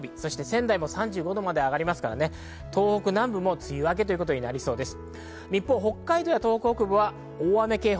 仙台も３５度まで上がりますから、東北南部も梅雨明けということになりそうです。